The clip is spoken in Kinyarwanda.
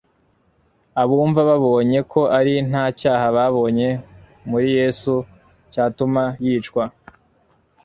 abumva babonye ko ari nta cyaha babonye muri Yesu cyatuma yicwa.